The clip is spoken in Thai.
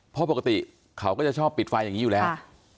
เพราะปกติเขาก็จะชอบปิดไฟอย่างนี้อยู่แล้ว